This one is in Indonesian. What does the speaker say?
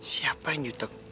siapa yang jutek